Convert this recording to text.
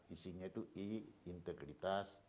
isinya itu i integritas